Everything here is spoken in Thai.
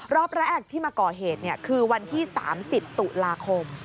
รอบแรกที่มาก่อเหตุคือวันที่๓๐ตุลาคม